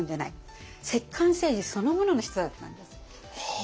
摂関政治そのものの人だったんです。